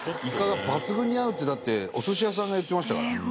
「イカが抜群に合う」ってだってお寿司屋さんが言ってましたから。